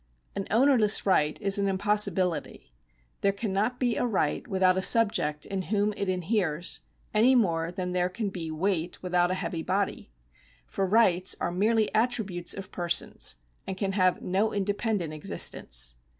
An ownerless right is an impossibility. There cannot be a right without a subject in whom it inheres, any more than there can be weight without a heavy body ; for rights are merely attributes of persons, and can have no independent existence.